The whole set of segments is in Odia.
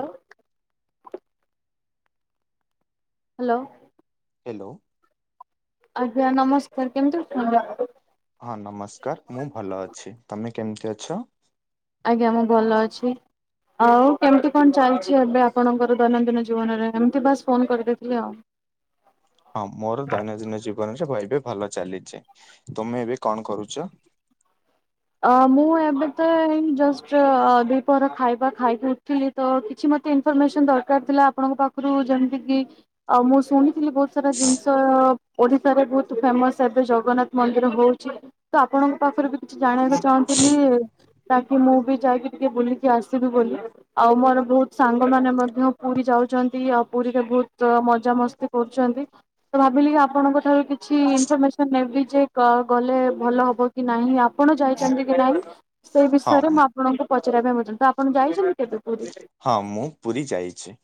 ଓହୋ। ହ୍ୟାଲୋ। ହେଲ୍ଲୋ। ଆଜ୍ଞା ନମସ୍କାର କେମିତି ଶୁଣ? ହଁ ନମସ୍କାର ମୁଁ ଭଲ ଅଛି ତମେ କେମିତି ଅଛ? ଆଜ୍ଞା ମୁଁ ଭଲ ଅଛି। ଆଉ କେମିତି କଣ ଚାଲିଛି ଏବେ ଆପଣଙ୍କର ଦୈନନ୍ଦିନ ଜୀବନରେ ଏମିତି ବାସ୍ ଫୋନ କରିଦେଇଥିଲି ଆଉ। ହଁ ମୋର ଦୈନନ୍ଦିନ ଜୀବନରେ ଏବେ ବେଭଲ ଚାଲିଛି ତମେ ଏବେ କଣ କରୁଚ? ଅ ମୁଁ ଏବେ ତ ଏଇ ଜଷ୍ଟ ଦିପହର ଖାଇବା ଖାଇକି ଉଠିଲି। ତ କିଛି ମତେ ଇନଫର୍ମେସନ ଦରକାର ଥିଲା ଆପଣଙ୍କ ପାଖରୁ ଯେମିତି କିି ମୁଁ ଶୁଣିଥିଲି ବହୁତ୍। ଜିନ୍ସ। ତ ଓଡିଶାରେ ବହୁତ ଫେମସ ଏବେ ଜଗନ୍ନାଥ ମନ୍ଦିର ହଉଛି ତ ଆପଣଙ୍କ ପାଖରେ ବି। କି ଜାଣିବାକୁ ଚାହୁଁଥିଲି ତାକି ମୁଁ ବି ଯାଇକି ଟିକେ ବୁଲିକି ଆସିବି ବୋଲି। ଆଉ ମୋର ବହୁତ ସାଙ୍ଗ ମାନ ମଧ୍ୟ ପୁରୀ ଯାଉଛନ୍ତି ଆଉ ପୁରୀରେ ବହୁତ ମଜାମସ୍ତି କରୁଚନ୍ତି। ତ ଭାବିଲି କି ଆପଣଙ୍କ ଠାରୁ କିଛି ଇନଫର୍ମେସନ ନେବି ଯେ ଗଲେ ଭଲ ହବ କି ନାହିଁ। ଆପଣ ଯାଇଛନ୍ତି କି ନାହିଁ ସେଇ ହଁ ବିଷୟରେ ମୁଁ ଆପଣଙ୍କୁ ପଚାରିବି ପାଇଁ ତ ଆପଣ ଯାଇଛନ୍ତି କେବେ ପୁରୀ?। ହଁ ମୁଁ ପୁରୀ ଯାଇଛି।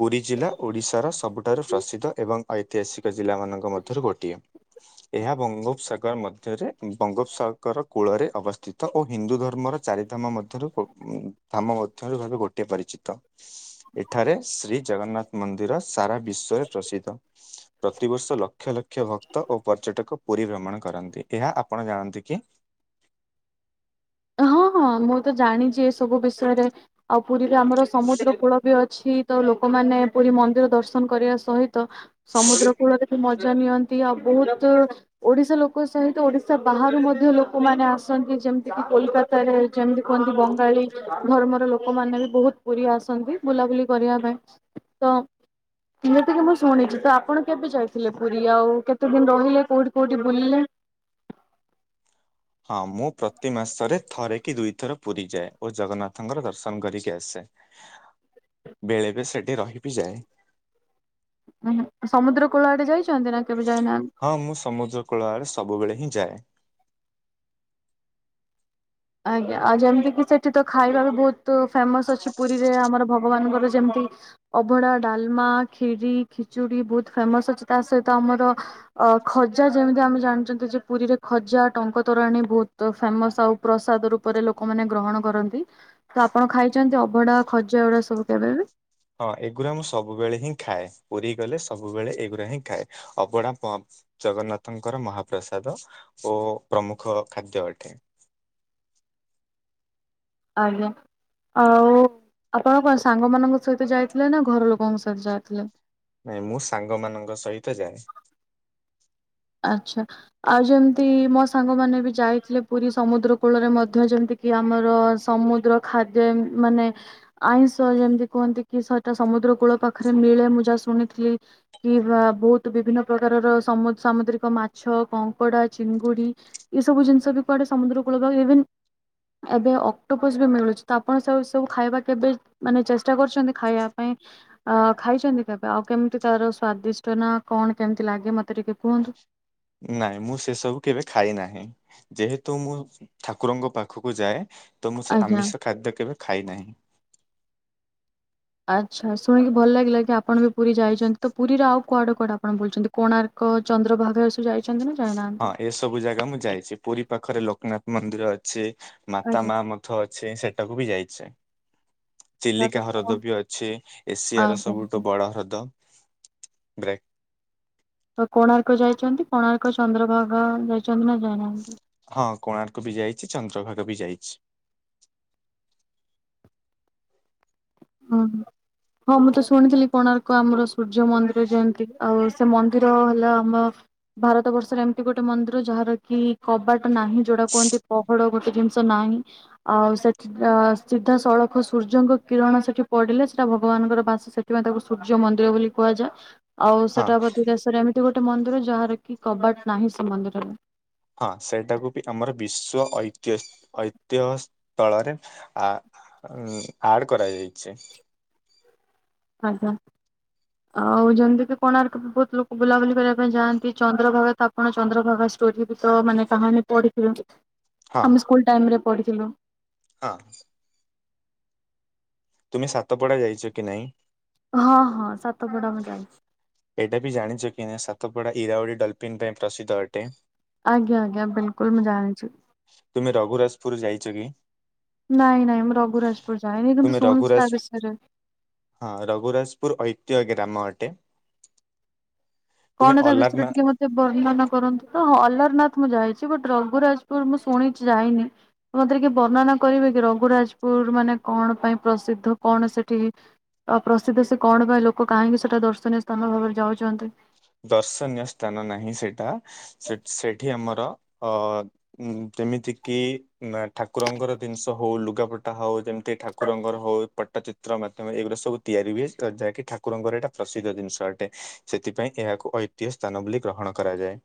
ପୁରୀ ଜିଲ୍ଲା ଓଡ଼ିଶାର ସବୁଠାରୁ ପ୍ରସିଦ୍ଧ ଏବଂ ଐତିହାସିକ ଜିଲ୍ଲାମାନଙ୍କ ମଧ୍ୟରୁ ଗୋଟିଏ। ଏହା ବଙ୍ଗୋପସାଗର ମଧ୍ୟରେ ବଙ୍ଗୋପସାଗର କୂଳରେ ଅବସ୍ଥିତ। ଓ ହିନ୍ଦୁ ଧର୍ମର ଚାରି ଧାମ ମଧ୍ୟରୁ ଧାମ ମଧ୍ୟରୁ ଭାବେ ଗୋଟିଏ ପରିଚିତ। ଏଠାରେ ଶ୍ରୀ ଜଗନ୍ନାଥ ମନ୍ଦିର ସାରା ବିଶ୍ଵରେ ପ୍ରସିଦ୍ଧ। ପ୍ରତିବର୍ଷ ଲକ୍ଷ ଲକ୍ଷ ଭକ୍ତ ଓ ପର୍ଯ୍ୟଟକ ପୁରୀ ଭ୍ରମଣ କରନ୍ତି ଏହା ଆପଣ ଜାଣନ୍ତି କି?। ହଁ ହଁ ମୁଁ ତ ଜାଣିଛି ଏ ସବୁ ବିଷୟରେ ଆଉ ପୁରୀରେ ଆମର ସମୁଦ୍ର କୂଳ ବି ଅଛି। ତ ଲୋକମାନେ ପୁରୀ ମନ୍ଦିର ଦର୍ଶନ କରିବା ସହିତ ସମୁଦ୍ର କୂଳରେ। ମଜା ନିଅନ୍ତି ଆଉ ବହୁତ। ଓଡିଶା ଲୋକ ସହିତ ଓଡିଶା ବାହାରୁ ମଧ୍ୟ ଲୋକମାନେ ଆସନ୍ତି ଯେମତି। କଲିକତାରେ ଯେମିତି କୁହନ୍ତି ବଙ୍ଗାଳୀ ଧର୍ମର ଲୋକମାନେ ବି ବହୁତ ପୁରୀ ଆସନ୍ତି। ବୁଲାବୁଲି କରିବା ପାଇଁ ତ। ଏମିତି କି ମୁଁ ଶୁଣିଛି ତ ଆପଣ କେବେ ଯାଇଥିଲେ ପୁରୀ ଆଉ କେତେ ଦିନ ରହିଲେ କୋଉଠି କୋଉଠି ବୁଲିଲେ?। ହଁ ମୁଁ ପ୍ରତି ମାସରେ ଥରେ କି ଦୁଇଥର ପୁରୀ ଯାଏ ଓ ଜଗନ୍ନାଥଙ୍କର ଦର୍ଶନ କରିକି ଆସେ। ବେଳେବେଳେ ସେଠି ରହିିବି ଯାଏ। ସମୁଦ୍ର କୂଳ ଆଡେ ଯାଇଛନ୍ତି ନା କେବେ। ଯାଇନାହାନ୍ତି? ହଁ ମୁଁ ସମୁଦ୍ର କୂଳଆଡେ ସବୁବେଳେ ହିଁ ଯାଏ। ଆଜ୍ଞା ଆଉ ଯେମିତିକି ସେଠି ତ ଖାଇବା ବି ବହୁତ ଫେମସ ଅଛି ପୁରୀରେ ଆମର ଭଗବାନଙ୍କର ଯେମିତି। ଅଭଡା, ଡାଲମା, ଖିରି, ଖେଚୁଡ଼ି ବହୁତ ଫେମସ ଅଛି ତା ସହିତ ଆମର। ଓ ଖଜା ଯେମିତି ଆମେ ଜାଣିଛନ୍ତି ଯେ ପୁରୀରେ ଖଜା ଟଙ୍କ ତରାଣୀ ବହୁତ ଫେମସ ଆଉ। ପ୍ରସାଦ ରୂପରେ ଲୋକମାନେ ଗ୍ରହଣ କରନ୍ତି। ତ ଆପଣ ଖାଇଛନ୍ତି ଅଭଢା ଖଜା ଏଗୁଡା ସବୁ କେବେ ଵି। ହଁ ଏଗୁଡା ମୁଁ ସବୁବେଳେ ହିଁ ଖାଏ। ପୁରୀ ଗଲେ ସବୁବେଳେ ଏଗୁଡା ହିଁ ଖାଏ। ଅବଢା। ଜଗନ୍ନାଥଙ୍କର ମହାପ୍ରସାଦ ଓ ପ୍ରମୁଖ ଖାଦ୍ୟ ଅଟେ। ଆଜ୍ଞା। ଆଉ ଆପଣ କଣ ସାଙ୍ଗମାନଙ୍କ ସହିତ ଯାଇଥିଲେ ନା ଘର ଲୋକଙ୍କ ସହିତ ଯାଇଥିଲେ। ନାଇଁ ମୁଁ ସାଙ୍ଗ ମାନଙ୍କ ସହିତ ଯାଏ। ଆଚ୍ଛା ଆଉ ଯେମିତି ମୋ ସାଙ୍ଗମାନେ ବି ଯାଇଥିଲେ ପୁରୀ ସମୁଦ୍ର କୂଳରେ ମଧ୍ୟ ଯେମିତି। କି ଆମର ସମୁଦ୍ର ଖାଦ୍ୟ ଏ ମାନେ ଆଇଁଷ ଯେମିତି କୁହନ୍ତି କି ସ ଏଟା ସମୁଦ୍ର କୂଳ ପାଖରେ ମିଳେ ମୁଁ ଯାହା ଶୁଣିଥିଲି କି ବୋହୁତ ବିଭିନ୍ନ ପ୍ରକାରର ସମୁ-ସାମୁଦ୍ରିକ ମାଛ, କଙ୍କଡା, ଚିଙ୍ଗୁଡି ଏଇ ସବୁ ଜିନିଷ ବି କୁଆଡେ ସମୁଦ୍ର କୂଳ ପାଖରେ ଇଭେନ ଏବେ ଅକ୍ଟୋପୋସ୍ ବି ମିଳୁଚି ତ ଆପଣ ସବୁ ଏସବୁ ଖାଇବା କେବେ ମାନେ ଚେଷ୍ଟା କରିଚନ୍ତି ଖାଇବା ପାଇଁ। ଅ ଖାଇଚନ୍ତି କେବେ ଆଉ କେମତି ତାର ସ୍ଵାଦିଷ୍ଟ ନା କଣ କେମିତି ଲାଗେ ମତେ ଟିକେ କୁହନ୍ତୁ। ନାଇଁ ମୁଁ ସେ ସବୁ କେବେ ଖାଇ ନାହିଁ। ଯେହେତୁ ମୁଁ ଠାକୁରଙ୍କ ପାଖକୁ ଯାଏ ତ ମୁଁ ସେ ଆଜ୍ଞା ଆମିଷ ଖାଦ୍ୟ କେବେ ଖାଇ ନାହିଁ। ଆଚ୍ଛା ଶୁଣିକି ଭଲ ଲାଗିଲା କି ଆପଣ ବି ପୁରୀ ଯାଇଚନ୍ତି ତ ପୁରିର ଆଉ କୁଆଡେ କୁଆଡେ ଆପଣ ବୁଲିଚନ୍ତି କୋଣାର୍କ, ଚନ୍ଦ୍ରଭାଗା ଏସବୁ ଯାଇ ହଁ ଏସବୁ ଜାଗା ମୁଁ ଯାଇଚି। ପୁରି ପାଖରେ ଲୋକନାଥ ମନ୍ଦିର ଅଛି। ମାତା ଆଜ୍ଞା ମା ମ ଠ ଅଛି ସେଟାକୁ ବି ଯାଇଚି। ତ ତ ଚିଲିକା କଣ ହ୍ରଦ ବି ଅଛି ଏସିଆର ଆଜ୍ଞା। ସବୁଠୁ ବଡ ହ୍ରଦ। [unintelligible] ଆଉ କୋଣାର୍କ ଯାଇଚନ୍ତି କୋଣାର୍କ ଚନ୍ଦ୍ରଭାଗା ଯାଇଚନ୍ତି ନା ଯାଇନାହାନ୍ତି। ହଁ କୋଣାର୍କ ବି ଯାଇଚି ଚନ୍ଦ୍ରଭାଗା ବି ଯାଇଚି। ଓହୋ। ହଁ ମୁଁ ତ ଶୁଣିଥିଲି କୋଣାର୍କ ଆମର ସୂର୍ଯ୍ୟ ମନ୍ଦିର ଯେମିତି ଆଉ ସେ ମନ୍ଦିର ହେଲା ଆମ ଭାରତ ବର୍ଷରେ ଏମିତି ଗୋଟେ ମନ୍ଦିର ଯାହାର କି କବାଟ ନାହିଁ ଯୋଉଟା କୁହନ୍ତି। ପହଡ ଗୋଟେ ଜିନିଷ ନାହିଁ ଆଉ ସେଠି ତ ସିଧା ସଳଖ ସୂର୍ଯ୍ୟଙ୍କ କିରଣ ସେ ସେଠି ପଡିଲେ ସେଟା ଭଗବାନଙ୍କର ବାସ। ସେଥିପାଇଁ ତାକୁ ସୂର୍ଯ୍ୟ ମନ୍ଦିର ବୋଲି କୁହାଯାଏ। ଆଉ ହଁ ସେଟା ବୋଧେ ଦେଶରେ ଏମିତି ଗୋଟେ ମନ୍ଦିର ଯାହାର କି କବାଟ ନାହିଁ ସେ ମନ୍ଦିରରେ। ହଁ ସେଇଟାକୁ ବି ଆମର ବିଶ୍ଵ ଐତିହ ଐତିହ୍ୟ ସ୍ଥଳରେ ଆ ଉଁ ଆଡ୍ କରାଯାଇଚି। ଆଜ୍ଞା। ଆଉ ଯେମିତି କି କୋଣାର୍କ ବୋ-ବୋ-ବୋହୁତ ଲୋକ ବୁଲାବୁଲି କରିବା ପାଇଁ ଯାଆନ୍ତି। ଚନ୍ଦ୍ରଭାଗା ତା ଆପଣ ଚନ୍ଦ୍ରଭାଗା ଷ୍ଟୋରୀ ଭିତ ମାନେ କାହାଣୀ ପଢିଥିବେ। ହଁ ଆମେ ସ୍କୁଲ ଟାଇମରେ ପଢିଥିଲୁ। ହଁ। ତୁମେ ସାତପଡା ଯାଇଚ କି ନାଇଁ? ହଁ ହଁ ସାତପଡା ମୁଁ ଜାଣିଚି। ଏଇଟା ବି ଜାଣିଚ କି ନା ସାତପଡା ଇରାଉଡି ଡଲଫିିନ୍ ପାଇଁ ପ୍ରସିଦ୍ଧ ଅଟେ। ଆଜ୍ଞା ଆଜ୍ଞା ବିଲ୍ କୁଲ୍ ମଁ ଜାଣଚି। ତୁମେ ରଘୁରାଜପୁର ଯାଇଚ କି? ନାଇଁ ନାଇ ମୁଁ ରଘୁରାଜପୁର ଯାଇନି କିନ୍ତୁ ତୁମେ ଶୁଣିଚି ତା ରଘୁରାଜ ବିଷରେ। ହଁ ରଘୁରାଜପୁର ଐତିହ୍ୟ ଗ୍ରାମ ଅଟେ। [unintelligible] କଣଟା ତା ବିଷୟରେ ଅଲାରନା ଟିକେ ମ ସେ ବର୍ଣ୍ଣନା କରନ୍ତୁ ତଁ ଅଲ୍ଲାରନାଥ ମୁଁ ଯାଇଚି ବଟ୍ ରଘୁରାଜପୁର ମୁଁ ଶୁଣିଚି ଯାଇନି। ମତେ ଟିକେ ବର୍ଣ୍ଣନା କରିବେ କି ରଘୁରାଜପୁର ମାନେ କଣ ପାଇଁ ପ୍ରସିଦ୍ଧ କଣ ସେଠି ଆଉ ପ୍ରସିଦ୍ଧ ସେ କଣ ପାଇଁ ଲୋକ କାହିଁକି ସେଟା ଦର୍ଶନୀୟ ସ୍ଥାନ ଭାବରେ ଯାଉଚନ୍ତି। ଦର୍ଶନୀୟ ସ୍ଥାନ ନାହିଁ ସେଟା ସେ-ସେଠି ଆମର ଅ ଉଁ ଯେମିତି କିି ନା ଠାକୁରଙ୍କର ଜିନିଷ ହୋଉ ଲୁଗାପ ଟା ହୋଉ ଯେମିତି ଠାକୁରଙ୍କର ହୋଉ ପଟଚିତ୍ର ମାଧ୍ୟମରେ ଏଗୁରା ସବୁ ତିଆରି ହୁଏ। ଯାହାକି ଠା କୁରଙ୍କର ଏଟା ପ୍ରସିଦ୍ଧ ଜିନିଷ ଅଟେ। ସେଥିପାଇଁ ଏହାକୁ ଐତିହ୍ୟ ସ୍ଥାନ ବୋଲି ଗ୍ରହଣ କରାଯାଏ।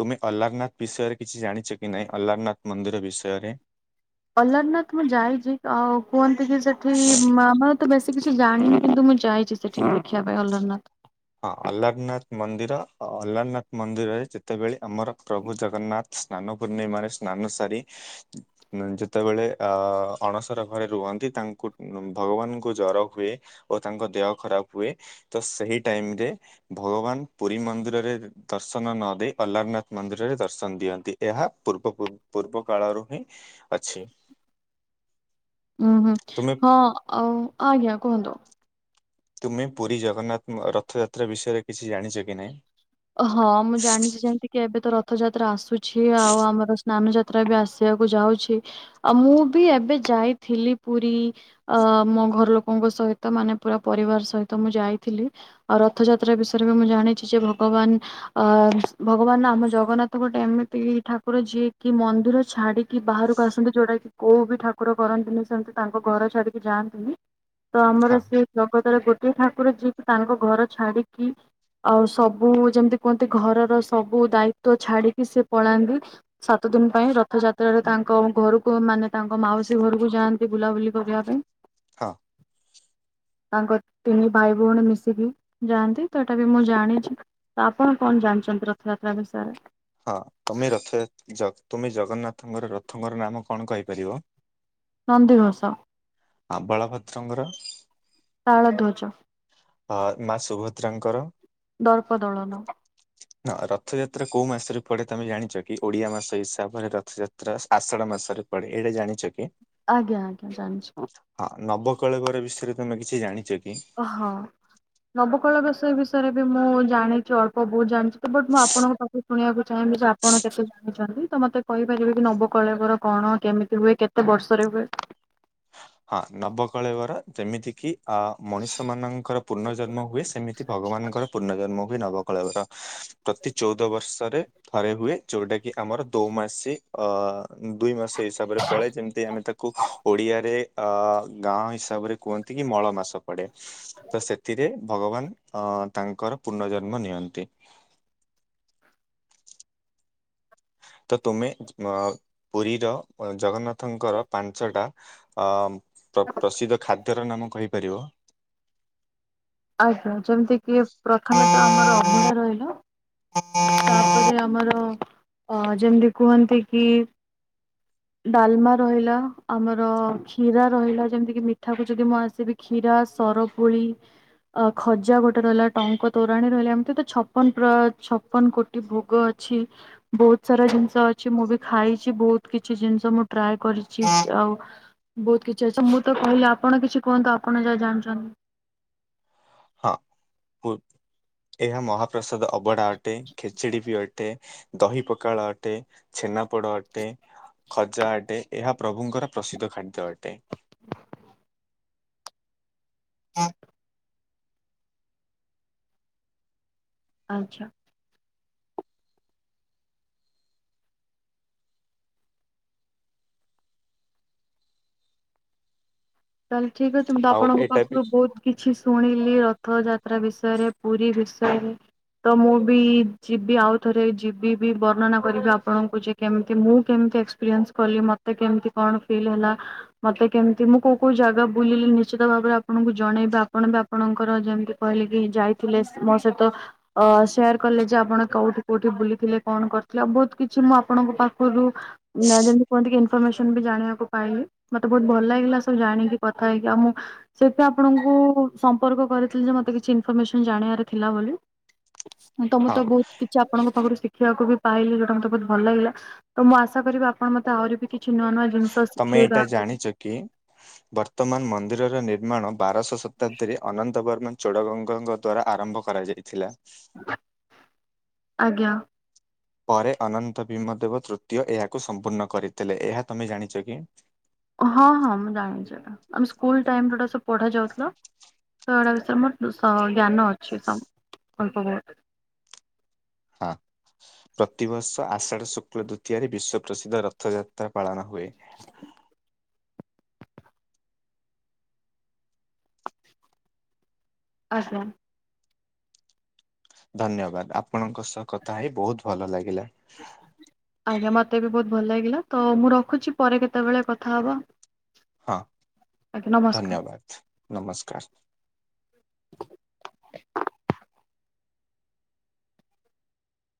ତୁମେ ଅଲ୍ଲାରନାଥ ବିଷୟରେ କିଛି ଜାଣିଚ କି ନାଇଁ ଅଲ୍ଲାରନାଥ ମନ୍ଦିର ବିଷୟରେ? ଅଲାରନାଥ ମୁଁ ଯାଇଛି ଆଉ କୁହନ୍ତି କି ସେଠି ମ ତ ବେଶୀ କିଛି ଜାଣିନି କିନ୍ତୁ ମୁଁ ଯାଇଛି ସେଠି ଦେଖିବା ପାଇଁ ଅଲରନାଥ ହଁ ଅଲାରନାଥ ମନ୍ଦିର ଅଲାରନାଥ ମନ୍ଦିରରେ ଯେତେବେଳେ ଆମର ପ୍ରଭୁ ଜଗନ୍ନାଥ ସ୍ନାନ ପୂ୍ଣ୍ଣିମା ମାନେ ସ୍ନାନ ସାରି ଯେତେବେଳେ ଅଣସର ଘରେ ରୁହନ୍ତି ତାଙ୍କୁ ଭଗବାନଙ୍କୁ ଜର ହୁଏ। ଓ ତାଙ୍କ ଦେହ ଖରାପ ହୁଏ ତ ସେଇ ଟାଇମ ରେ ଭଗବାନ ପୁରୀ ମନ୍ଦିରରେ ଦର୍ଶନ ନ ଦେଇ ଅଲାରନାଥ ମନ୍ଦିରରେ ଦର୍ଶନ ଦିଅନ୍ତି। ଏହା ପୂର୍ବ ପୂର୍ବ କାଳରୁ ହିଁ ଅଛି। ହୁଁ, ହୁଁ ତୁମେ ହଁ ଆଉ ଆଜ୍ଞା କୁହନ୍ତୁ। ତୁମେ ପୁରୀ ଜଗନ୍ନାଥ ରଥଯାତ୍ରା ବିଷୟରେ କିଛି ଜାଣିଛ କି ନାହିଁ? ହଁ ମୁଁ ଜାଣିଛି ଯେମିତି କି ଏବେ ତ ରଥଯାତ୍ରା ଆସୁଛି ଆଉ ଆମର ସ୍ନାନଯାତ୍ରା ଏବେ ଆସିବାକୁ ଯାଉଛି ଆଉ ମୁଁ ବି ଏବେ ଯାଇଥିଲି ପୁରୀ। ଅ ମୋ ଘର ଲୋକଙ୍କ ସହିତ ମାନେ ପୁରା ପରିବାର ସହିତ ମୁଁ ଯାଇଥିଲି। ଆଉ ରଥଯାତ୍ରା ବିଷୟରେ ବି ମୁଁ ଜାଣିଛି ଯେ ଭଗବାନ ଅ ଭଗବାନ ଆମ ଜଗନ୍ନାଥ ଗୋଟେ ଏମିତି ଠାକୁର ଯିଏ କି ମନ୍ଦିର ଛାଡି କି ବାହାରକୁ ଆସନ୍ତି ଯୋଉଟା କି କୋଉ ବି ଠାକୁର କରନ୍ତିନି ସେମିତି ତାଙ୍କ ଘର ଛାଡିକି ଯାଆ ତ ଆମର ହଁ ସେଇ ଜଗତରେ ଗୋଟେ ଠାକୁର ଯିଏକି ତାଙ୍କ ଘର ଛାଡିକି ଆଉ ସବ ମୁଁ ଯେମିତି କୁହନ୍ତି ଘରର ସବୁ ଦାୟିତ ଛାଡିକି ସେ ପଳାନ୍ତି। ସାତ ଦିନ ପାଇଁ ରଥଯାତ୍ରାରେ ତାଙ୍କ ଘରକୁ ମାନେ ତାଙ୍କ ମାଉସୀ ଘରକୁ ଯାଆନ୍ତି ବୁଲାବୁଲି କରିବା ପାଇଁ। ହଁ ତାଙ୍କ ତିନି ଭାଇ ଭଉଣୀ ମିଶିକି ଯାଆନ୍ତି ତ ଏଇଟା ବି ମୁଁ ଜାଣିଛି। ତ ଆପଣ କଣ ଜାଣିଛନ୍ତି ରଥଯାତ୍ରା ବିଷୟରେ ହଁ ତମେ ରଥ ଯ ତୁମେ ଜଗନ୍ନାଥଙ୍କର ରଥଙ୍କର ନାମ କଣ କହିପାରିବ? ନନ୍ଦିଘୋଷ ଆଁ ବଳଭଦ୍ରଙ୍କର ତାଳଧ୍ୱଜ ଅ ମା ସୁଭଦ୍ରାଙ୍କର ଦର୍ପଦଳନ ଆଉ ରଥଯାତ୍ରା କୋଉ ମାସ ପଡେ ତମେ ଜାଣିଛ କି ଓଡିଆ ମାସ ହିସାବରେ ରଥଯାତ୍ରା ଆଷାଢ ମାସରେ ପଡେ ଏଇଟା ଜାଣିଛ କି? ଆଜ୍ଞା ଆଜ୍ଞା ଜାଣିଛି ହଁ ନବକଳେବର ବିଷୟରେ ତମେ କିଛି ଜାଣିଛ କି? ହଁ ନବକଳ ବିଷୟ ବିଷୟରେ ବି ମୁଁ ଜାଣିଛି ଅଳ୍ପ ବହୁତ ଜାଣିଛି। ବଟ୍ ମୁଁ ଆପଣଙ୍କ ପାଖକୁ ଶୁଣିବାକୁ ଚାହିଁବି ଯେ ଆପଣ କେତେ? ତ ମତେ କହିପାରିବେ କି ନବକଳେକର କଣ କେମିତି ହୁଏ କେତେ ବର୍ଷରେ ହୁଏ। ହଁ ନବକଳେବର ଯେମିତି କିି? ଅ ମଣିଷ ମାନଙ୍କର ପୂର୍ଣ୍ଣ ଜନ୍ମ ହୁଏ ସେମିତି ଭଗବାନଙ୍କର ପୂର୍ଣ୍ଣ ଜନ୍ମ ହୁଏ ନବକଳେବର ପ୍ରତି ଚଉଦ ବର୍ଷରେ। ଥରେ ହୁଏ ଯୋଉଟା କି ଆମର ଦୋ ମାସି ଅ ଦୁଇ ମାସ। ସେ ହିସାବରେ ପଳେ ଯେମିତି ଆମେ ତାକୁ ଓଡିଆରେ। ଅ ଗାଁ ହିସାବରେ କୁହନ୍ତି କି ମଳ ମାସ ପଡେ ତ ସେଥିରେ ଭଗବାନ ଅ ତାଙ୍କର ପୁନଃ ଜନ୍ମ ନିଅନ୍ତି। ତ ତୁମେ ପୁରୀର ଜଗନ୍ନାଥଙ୍କର ପାଞ୍ଚଟା ଅ ପ୍ରସିଦ୍ଧ ଖାଦ୍ୟର ନାମ କହିପାରିବ? ଆଜ୍ଞା ଯେମିତି କି ପ୍ରଥମ ଆମର ଅଞ ରହିଲା ତାପରେ ଆମର ଅ ଯେମିତି କୁହନ୍ତି କି ଡାଲମା ରହିଲା ଆମର କ୍ଷୀରା ରହିଲା ଯେମିତି କି ମିଠା କ ଯଦି ମୁଁ ଆସିବି କ୍ଷୀରା ସରପୁଳି ଅ ଖଜା ଗୋଟେ ରହିଲା ଟଙ୍କ ତୋରାଣୀ ରହିଲା ଏମିତି ତ ଛପନ ପ୍ର ଛପନ କୋଟି ଭୋଗ ଅଛି। ବହୁତ ସାରା ଜିନିଷ ଅଛି ମୁଁ ବି ଖାଇଛି ବହୁତ କିଛି ଜିନିଷ ମୁଁ ଟ୍ରାଏ କରିଛି ଆଉ ବହୁତ କିଛି ଅଛି ମୁଁ ତ କହିଲି ଆପଣ କିଛି କୁହନ୍ତୁ ଆପଣ ଯାହା ଜାଣିଛନ୍ତି? ହଁ ଏହା ମହାପ୍ରସାଦ ଅବଢା ଅଟେ ଖେଚୁଡି ବି ଅଟେ ଦହି ପଖାଳ ଅଟେ ଛେନାପୋଡ ଅଟେ ଖଜା ଅଟେ ଏହା ପ୍ରଭୁଙ୍କର ପ୍ରସିଦ୍ଧ ଖାଦ୍ୟ ଅଟେ। ହଁ। ଆଛା। ତାହଲେ ଠିକ ଅଛି ମୁଁ ତ ଆଉ ଆପଣଙ୍କ ଏଇଟା ବି ପାଖରୁ ବହୁତ କିଛି ଶୁଣିଲି ରଥଯାତ୍ରା ବିଷୟରେ ପୁରୀ ବିଷୟରେ ତ ମୁଁ ବି ଯିବି ଆଉ ଥରେ ଯିବି ବି ବର୍ଣ୍ଣନା କରିବି ଆପଣଙ୍କୁ ଯେ କେମତି ମୁଁ କେମତି ଏକ୍ସପିରିଏନ୍ସ କଲି ମତେ କେମିତି କଣ ଫିଲ୍ ହେଲା ମତେ କେମତି ମୁଁ କଉ କେଉ ଜାଗା ବୁଲିଲେ ନିଶ୍ଚିତ ଭାବରେ ଆପଣଙ୍କୁ ଜଣେଇବେ ଆପଣ ବି ଆପଣଙ୍କର ଯେମିତି କହିଲେ କି ଯାଇ ଥିଲେ ମୋ ସହିତ ଅ ସେୟାର କଲେ ଯେ ଆପଣ କୋଉଠି କୋଉଠି ବୁଲିଥିଲେ କଣ କରିଥିଲେ ଆଉ ବହୁତ କିଛି ମୁଁ ଆପଣଙ୍କ ପାଖରୁ ନା ଯେମିତି କୁହନ୍ତି କି ଇନଫର୍ମେସନ୍ ବି ଜାଣକୁ ପାଇଲି ମତେ ବହୁତ ଭଲ ଲାଗିଲା ସବୁ ଜାଣିକି କଥା ହେଇକି ଆଉମଁ ସେଥି ପାଇଁ ଆପଣଙ୍କୁ ସମ୍ପର୍କ କରିଥିଲି ଯେ ମତେ କିଛି ଇନଫମେସନ ଜାଣିବାର ଥିଲା ବୋଲି। ତ ମୁଁ ହଁ ତ ବହୁତ କିଛି ଆପଣଙ୍କ ପାଖରୁ ଶିଖ ଦେଖିବାକୁ ବି ପାଇଲି ଯେ ଯଉଟା ମୋତେ ବହୁତ ଭଲ ଲାଗିଲା ତ ମୁଁ ଆଶା କରିବି ଆପଣ ମତେ ଆହୁରି ବି କିଛି ନୂଆ ନୂଆ ଜିନିଷ ତମେ ଏଇଟା ଶିଖେଇବା ଆଗକୁ ଜାଣିଛ କି ବର୍ତ୍ତମାନ ମନ୍ଦିରର ନିର୍ମାଣ ବାରଶ ଶତାବ୍ଦୀରେ ଅନନ୍ତ ବର୍ମା ଚୋଡଗଙ୍ଗଙ୍କ ଦ୍ଵାରା ଆରମ୍ଭ କରାଯାଇଥିଲା। ଆଜ୍ଞା। ପରେ ଅନନ୍ତ ଭୀମ ଦେବ ତୃତୀୟ ଏହାକୁ ସମ୍ପୂର୍ଣ୍ଣ କରିଥିଲେ ଏହା ତମେ ଜାଣିଛ କି? ହଁ ହଁ ମୁଁ ଜାଣିଛି ଏଇଟା ଆମ ସ୍କୁଲ ଟାଇମରେ ଏଇ ଗୁଡା ସବୁ ପଢା ଯାଉଥିଲା। ତ ଏଇଡା ବିଷୟରେ ମୋ ଜ୍ଞାନ ଅଛି ସ ଅଳ୍ପ ବହୁତ। ହଁ। ପ୍ରତିବର୍ଷ ଆଷାଢ଼ ଶୁକ୍ଲ ଦ୍ଵିତୀୟରେ ବିଶ୍ଵ ପ୍ରସିଦ୍ଧ ରଥଯାତ୍ରା ପାଳନ ହୁଏ। ଆଜ୍ଞା। ଧନ୍ୟବାଦ ଆପଣଙ୍କ ସହ କଥା ହେଇ ବହୁତ ଭଲ ଲାଗିଲା। [unintelligible] ଆଜ୍ଞା ମତେ ବି ବହୁତ ଭଲ ଲାଗିଲା ତ ମୁଁ ରଖୁଛି ପରେ କେତେବେଳେ କଥା ହବା। ହଁ ଆଜ୍ଞା ନମସ୍କାର। ଧନ୍ୟବାଦ ନମସ୍କାର। [unintelligible]